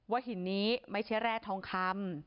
หินนี้ไม่ใช่แร่ทองคำ